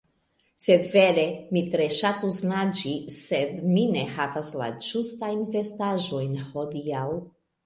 Sed vere, mi tre ŝatus naĝi sed mi ne havas la ĝustajn vestaĵojn hodiaŭ